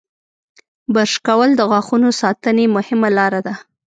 • برش کول د غاښونو ساتنې مهمه لاره ده.